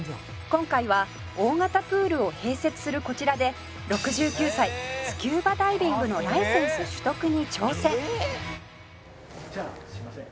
「今回は大型プールを併設するこちらで６９歳スキューバダイビングのライセンス取得に挑戦！」じゃあすいません。